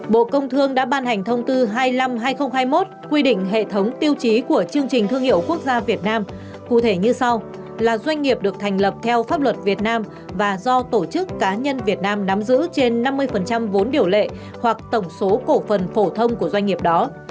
bộ công thương đã ban hành thông tư hai mươi năm hai nghìn hai mươi một quy định hệ thống tiêu chí của chương trình thương hiệu quốc gia việt nam cụ thể như sau là doanh nghiệp được thành lập theo pháp luật việt nam và do tổ chức cá nhân việt nam nắm giữ trên năm mươi vốn điều lệ hoặc tổng số cổ phần phổ thông của doanh nghiệp đó